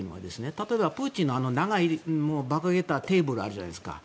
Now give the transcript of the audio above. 例えば、プーチンの長いバカげたテーブルあるじゃないですか。